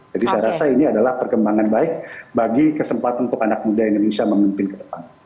jadi saya rasa ini adalah perkembangan baik bagi kesempatan untuk anak muda indonesia memimpin ke depan